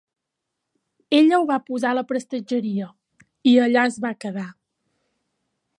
Ella ho va posar a la prestatgeria, i allà es va quedar.